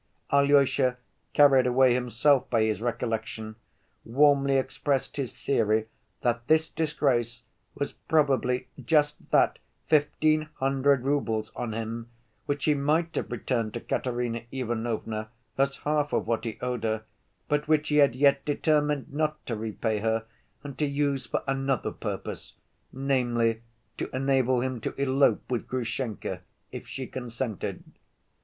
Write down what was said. Alyosha, carried away himself by his recollection, warmly expressed his theory that this disgrace was probably just that fifteen hundred roubles on him, which he might have returned to Katerina Ivanovna as half of what he owed her, but which he had yet determined not to repay her and to use for another purpose—namely, to enable him to elope with Grushenka, if she consented.